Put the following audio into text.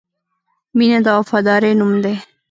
• مینه د وفادارۍ نوم دی.